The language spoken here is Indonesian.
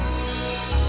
kamu ceritanya kepanjangan